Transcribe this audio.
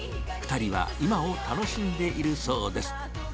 ２人は、今を楽しんでいるそうです。